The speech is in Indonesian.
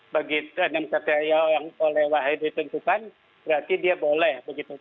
begitu enam kto yang oleh wahai ditentukan berarti dia boleh begitu